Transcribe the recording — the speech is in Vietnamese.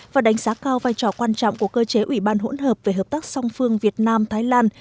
và đánh giá cao vai trò quan trọng của cơ chế ủy ban hỗn hợp về hợp tác song phương việt nam thái lan